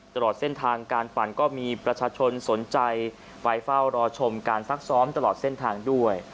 ตลอดเส้นทางการฝันก็มีประชาชนสนใจไปเฝ้ารอชมการซักซ้อมตลอดเส้นทางด้วย